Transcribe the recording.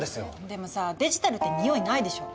でもさあデジタルって匂いないでしょ。